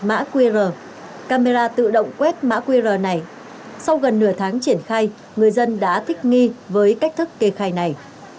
mã qr camera tự động quét mã qr này sau gần nửa tháng triển khai người dân đã thích nghi với cách thức kê khai này